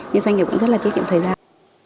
nhưng doanh nghiệp cũng rất là tiết kiệm thời gian